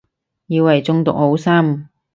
以為中毒好深